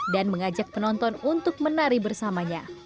dan mengajak penonton untuk menari bersamanya